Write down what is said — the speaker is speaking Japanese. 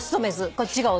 こっちが雄。